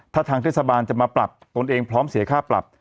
ถ้าทางเทศบาลจะมาปรับตนเองพร้อมเสียค่าปรับ